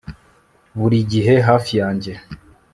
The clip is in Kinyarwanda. buri gihe hafi yanjye